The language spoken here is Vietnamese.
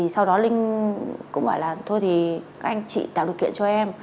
sau đó linh cũng bảo là thôi thì các anh chị tạo điều kiện cho em